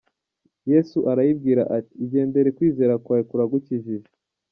" Yesu arayibwira ati "Igendere, kwizera kwawe kuragukijije.